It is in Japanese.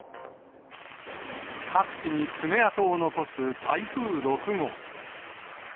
各地に爪痕を残す台風６号。